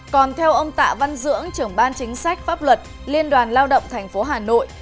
còn theo ông tạ văn dưỡng trưởng ban chính sách pháp luật liên đoàn lao động tp hà nội